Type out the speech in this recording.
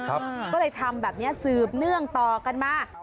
ก็เลยทำแบบนี้สืบเนื่องต่อกันมา